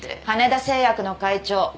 金田製薬の会長。